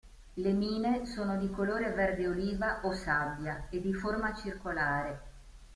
Le mine sono di colore verde oliva o sabbia e di forma circolare.